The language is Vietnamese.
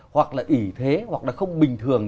hoặc là ủy thế hoặc là không bình thường